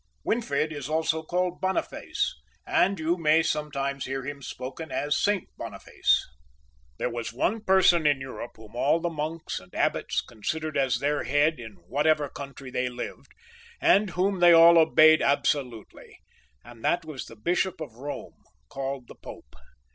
Winfrid is also called Boniface, and you may sometimes hear him spoken of as St Boniface. There was one person in Europe whom all the monks and abbots considered as their head in whatever country they lived, and whom they all obeyed absolutely, and that was the Bishop of Eome, called the Pope.